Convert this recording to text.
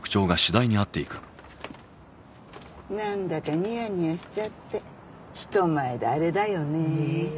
なんだかニヤニヤしちゃって人前であれだよねねえ